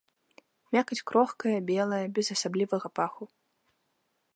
Мякаць крохкая, белая, без асаблівага паху.